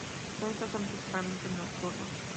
Sus hábitos son principalmente nocturnos.